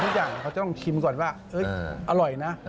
อันนี้อย่างนึงก็ต้องชิมก่อนว่าเอ๊ะอร่อยนะ